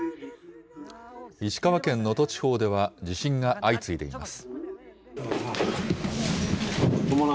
石川県能登地方では地震が相次いでいます。